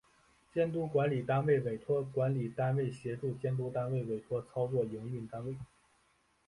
监督管理单位委托管理单位协助监督单位委托操作营运单位